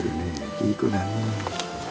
いい子だね。